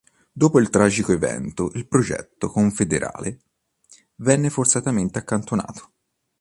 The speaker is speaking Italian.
Dopo il tragico evento il progetto confederale venne forzatamente accantonato.